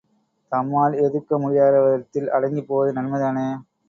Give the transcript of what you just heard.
தம்மால் எதிர்க்க முடியாதவரிடத்தில் அடங்கிப் போவது நன்மைதானே!